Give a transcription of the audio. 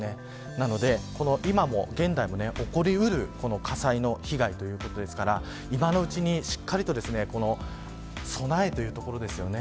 なので現代でも起こりうる火災の被害ということですから今のうちに、しっかりとその備えというところですよね。